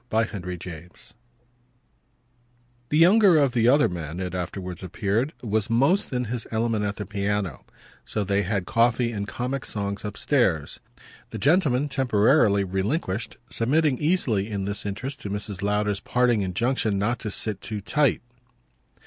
Book Sixth, Chapter 4 The younger of the other men, it afterwards appeared, was most in his element at the piano; so that they had coffee and comic songs upstairs the gentlemen, temporarily relinquished, submitting easily in this interest to Mrs. Lowder's parting injunction not to sit too tight.